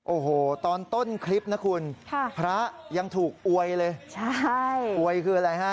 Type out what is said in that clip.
โอ้โหตอนต้นคลิปนะคุณค่ะพระยังถูกอวยเลยใช่อวยคืออะไรฮะ